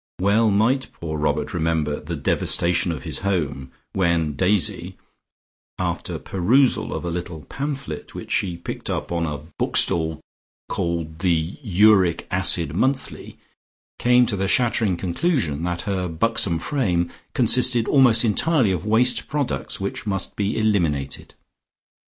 Well might poor Robert remember the devastation of his home when Daisy, after the perusal of a little pamphlet which she picked up on a book stall called "The Uric Acid Monthly," came to the shattering conclusion that her buxom frame consisted almost entirely of waste products which must be eliminated.